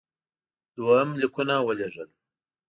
دوهم لیکونه ولېږل.